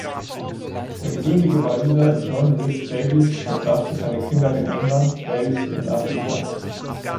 Der gebürtige Waliser John Rhys-Davies verbrachte seine Kindheit in England, Wales und Afrika.